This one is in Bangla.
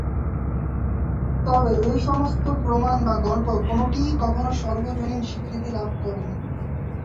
তবে এসমস্ত প্রমাণ বা গল্প- কোনটিই কখনো সর্বজনীন স্বীকৃতি লাভ করে নি।